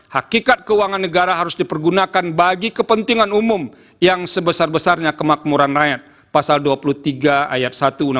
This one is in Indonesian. hakikat keuangan negara harus dipergunakan bagi kepentingan umum yang sebesar besarnya kemakmuran rakyat